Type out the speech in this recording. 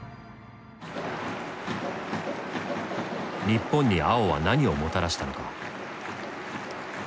日本に碧は何をもたらしたのか。